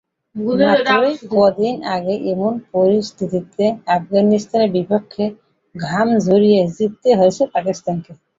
মাত্রই কদিন আগে এমন পরিস্থিতিতে আফগানিস্তানের বিপক্ষে ঘাম ঝরিয়ে জিততে হয়েছিল পাকিস্তানকে।